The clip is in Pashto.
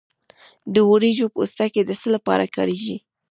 د وریجو پوستکی د څه لپاره کاریږي؟